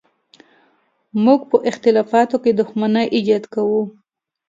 موږ په اختلافاتو کې د دښمنۍ ایجاد کوو.